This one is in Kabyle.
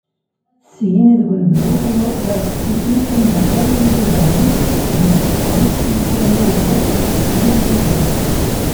Syin deg unebdu, ad nruḥ ɣer teftisin anda ara yili, daɣen, leqdic meqqren i yeɛnan awellah n umsider.